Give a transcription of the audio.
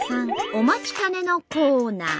お待ちかねのコーナー！